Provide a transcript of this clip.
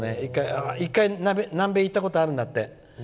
１回、行ったことあるんだって。